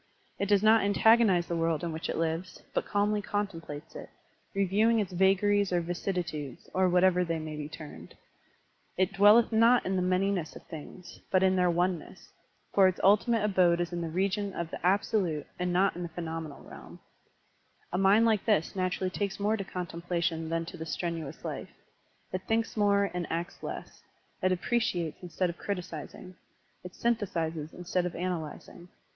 It does not antagonize the world in which it lives, but calmly contem plates it, reviewing its vagaries or vicissitudes, or whatever they may be termed. It dwelleth not in the manyness of things, but in their oneness, for its ultimate abode is in the region of the absolute and not in the phenomenal realm. Digitized by Google PRACTICE OF DMYANA 140 A mind like this naturally takes more to contem plation than to the strenuous life ; it thinks more and acts less; it appreciates instead of criticizing; it synthesizes instead of analyzing.